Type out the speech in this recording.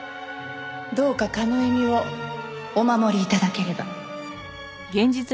どうか叶笑をお守り頂ければ。